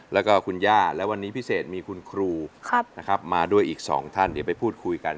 แล้วก็คุณย่าและวันนี้พิเศษมีคุณครูนะครับมาด้วยอีกสองท่านเดี๋ยวไปพูดคุยกัน